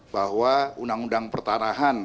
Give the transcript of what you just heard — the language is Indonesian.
bahwa undang undang pertanahan